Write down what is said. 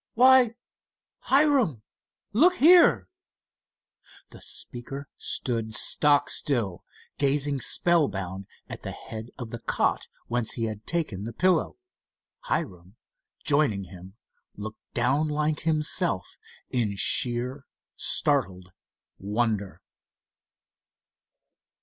Why, Hiram, look here!" The speaker stood stock still, gazing spellbound at the head of the cot whence he had taken the pillow. Hiram, joining him, looked down like himself in sheer, startled wonder.